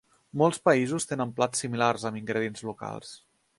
Molts països tenen plats similars amb ingredients locals.